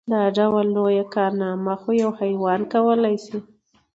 دا ډول لويه کارنامه خو يو حيوان کولی شي.